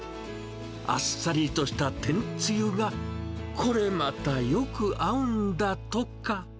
あっさりとした天つゆが、これまたよく合うんだとか。